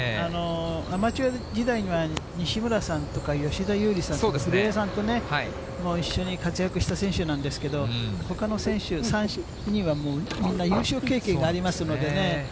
アマチュア時代には、にしむらさんとか、よしだゆうりさんとかふるえさんも一緒に活躍した選手なんですけど、ほかの選手、３人はもう優勝経験がありますのでね。